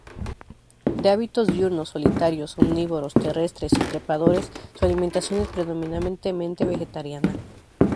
De hábitos diurnos, solitarios, omnívoros, terrestres y trepadores, su alimentación es predominantemente vegetariana.